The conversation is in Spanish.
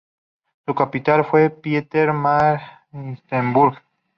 Su capital fue Pietermaritzburg.